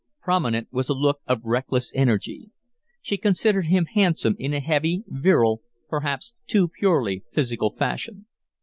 Prominent was a look of reckless energy. She considered him handsome in a heavy, virile, perhaps too purely physical fashion.